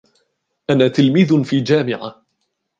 أنا تلميذ في جامعة.